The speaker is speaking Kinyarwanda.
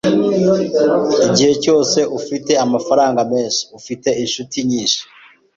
Igihe cyose ufite amafaranga menshi, ufite inshuti nyinshi.